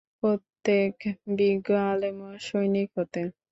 প্রত্যেক বিজ্ঞ আলেমও সৈনিক হতেন।